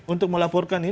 untuk melaporkan ini